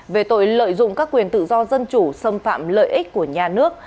về tội lợi dụng các quyền tự do dân chủ xâm phạm lợi ích của nhà nước